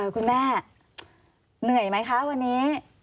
คุณแม่เหนื่อยไหมคะวันนี้